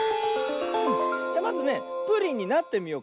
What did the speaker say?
まずねプリンになってみようかな。